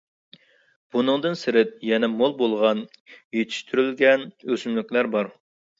بۇنىڭدىن سىرت، يەنە مول بولغان يېتىشتۈرۈلگەن ئۆسۈملۈكلەر بار.